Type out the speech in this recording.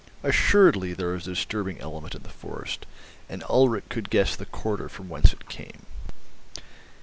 Assuredly there was a disturbing element in the forest, and Ulrich could guess the quarter from whence it came.